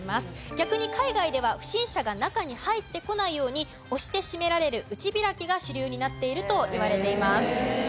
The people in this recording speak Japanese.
逆に海外では不審者が中に入ってこないように押して閉められる内開きが主流になっているといわれています。